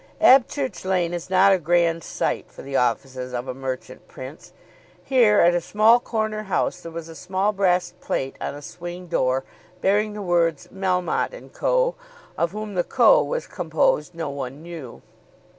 Abchurch Lane is not a grand site for the offices of a merchant prince. Here, at a small corner house, there was a small brass plate on a swing door, bearing the words "Melmotte & Co." Of whom the Co. was composed no one knew.